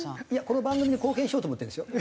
この番組に貢献しようと思ってるんですよ。